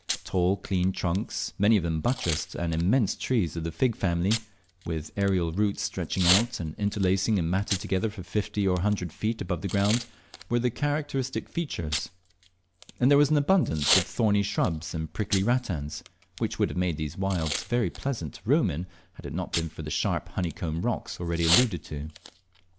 Tall clean trunks, many of them buttressed, and immense trees of the fig family, with aerial roots stretching out and interlacing and matted together for fifty or a hundred feet above the ground, were the characteristic features; and there was an absence of thorny shrubs and prickly rattans, which would have made these wilds very pleasant to roam in, had it not been for the sharp honeycombed rocks already alluded to.